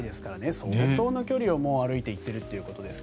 相当の距離を歩いていっているということですが。